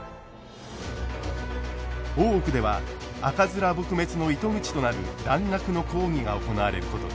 大奥では赤面撲滅の糸口となる蘭学の講義が行われることに。